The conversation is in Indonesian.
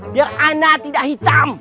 biar ana tidak hitam